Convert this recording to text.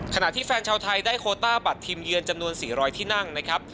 ขณะที่แฟนชาวไทยได้โคต้าบัตรทีมเยือนจำนวน๔๐๐ที่นั่งนะครับ